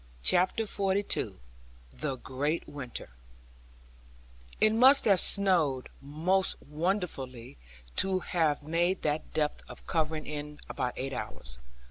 CHAPTER XLII THE GREAT WINTER It must have snowed most wonderfully to have made that depth of covering in about eight hours.